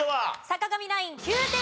坂上ナイン９点